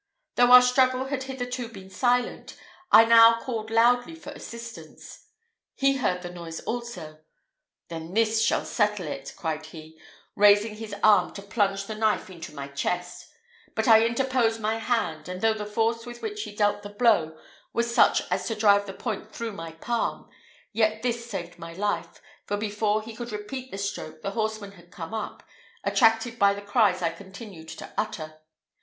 Though our struggle had hitherto been silent, I now called loudly for assistance. He heard the noise also. "This then shall settle it," cried he, raising his arm to plunge the knife into my chest, but I interposed my hand; and though the force with which he dealt the blow was such as to drive the point through my palm, yet this saved my life, for before he could repeat the stroke the horsemen had come up, attracted by the cries I continued to utter.